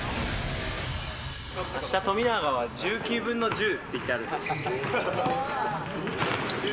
あした、富永には１９分の１０って言ってある。